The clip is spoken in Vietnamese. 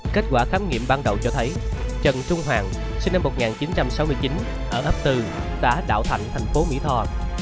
kết quả khám nghiệm ban đầu cho thấy trần trung hoàng sinh năm một nghìn chín trăm sáu mươi chín ở ấp bốn xã đảo thạnh thành phố mỹ tho